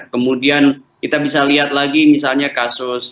kemudian kita bisa lihat lagi misalnya kasus